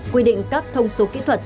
quy định các thông số kỹ thuật